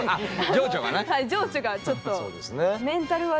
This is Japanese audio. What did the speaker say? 情緒がちょっと。